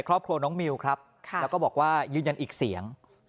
ครอบครัวน้องมิวครับแล้วก็บอกว่ายืนยันอีกเสียง